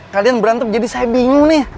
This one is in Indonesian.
kalian berantem jadi saya bingung nih